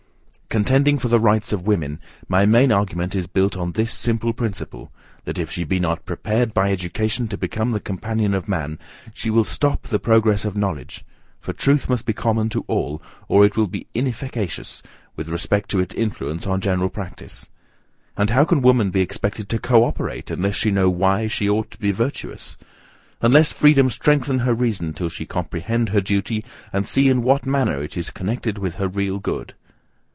Contending for the rights of women, my main argument is built on this simple principle, that if she be not prepared by education to become the companion of man, she will stop the progress of knowledge, for truth must be common to all, or it will be inefficacious with respect to its influence on general practice. And how can woman be expected to co operate, unless she know why she ought to be virtuous? Unless freedom strengthen her reason till she comprehend her duty, and see in what manner it is connected with her real good?